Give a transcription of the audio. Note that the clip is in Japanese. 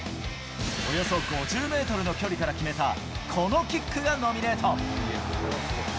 およそ５０メートルの距離から決めた、このキックがノミネート。